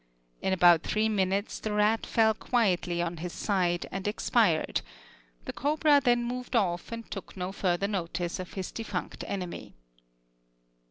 In about three minutes the rat fell quietly on his side and expired; the cobra then moved off and took no further notice of his defunct enemy.